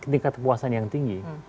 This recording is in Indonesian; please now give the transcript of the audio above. tingkat kepuasan yang tinggi